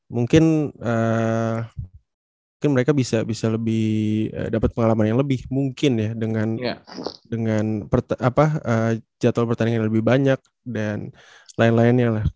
mungkin mereka bisa lebih dapat pengalaman yang lebih mungkin ya dengan jadwal pertandingan yang lebih banyak dan selain lainnya lah